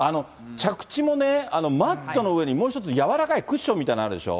着地もマットの上にもう一つ、軟らかいクッションみたいなのあるでしょ。